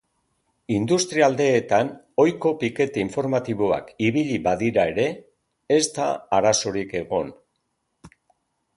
Industrialdeetan ohiko pikete informatiboak ibili badira ere, ez da arazorik egon.